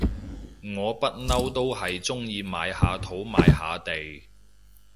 我不嬲都係中意買下土買下地